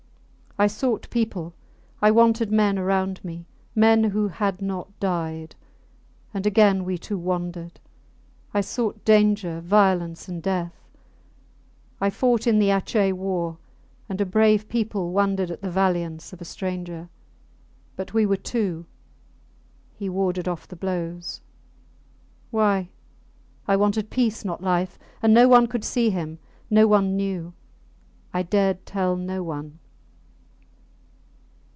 I sought people I wanted men around me! Men who had not died! And again we two wandered. I sought danger, violence, and death. I fought in the Atjeh war, and a brave people wondered at the valiance of a stranger. But we were two; he warded off the blows ... Why? I wanted peace, not life. And no one could see him; no one knew I dared tell no one.